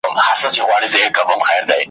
وېره حق ده خو له چا؟ `